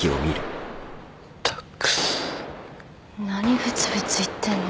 何ぶつぶつ言ってんの？